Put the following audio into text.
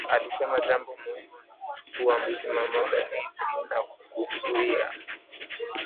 Alisema jambo muhimu ni kuchukua msimamo thabiti na kuzuia